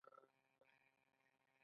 دا مثال د سقراط په قضیه کې څرګند دی.